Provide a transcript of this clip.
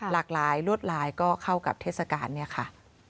หลากหลายลวดลายก็เข้ากับเทศกาลเนี่ยค่ะ